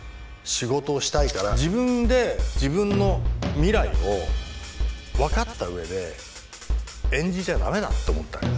自分で自分の未来を分かったうえで演じちゃ駄目だと思ったんだよね。